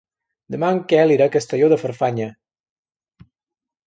Demà en Quel irà a Castelló de Farfanya.